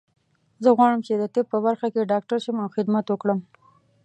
زه غواړم چې د طب په برخه کې ډاکټر شم او خدمت وکړم